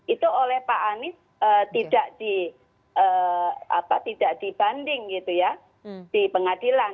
itu oleh pak anies tidak dibanding gitu ya di pengadilan